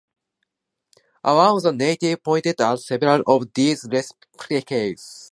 One of the natives pointed out several of these receptacles.